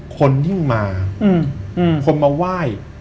คนยิ่งมาคนมาไหว้